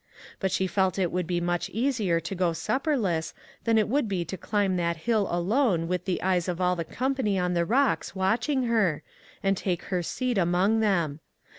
But she felt that it would be mucli easier to go supperless than it would be to climb that hill alone with the eyes of all the company on the rocks watch ing her, and take her seat among them.